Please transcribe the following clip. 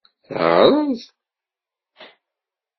Teɛṛeḍ.